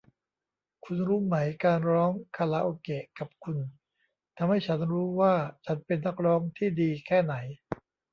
คุณรู้ไหมการร้องคาราโอเกะกับคุณทำให้ฉันรู้ว่าฉันเป็นนักร้องที่ดีแค่ไหน